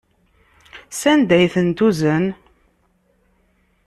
Sanda ay ten-tuzen?